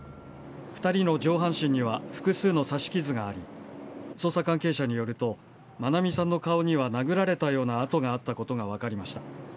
２人の上半身には複数の刺し傷があり捜査関係者によると愛美さんの顔には殴られたような痕があったことが分かりました。